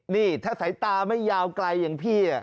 นี่ถ้าสายตาไม่ยาวไกลอย่างพี่